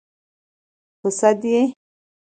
_ په سد يې؟